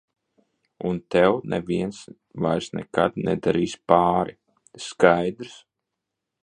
Un tev neviens vairs nekad nedarīs pāri, skaidrs?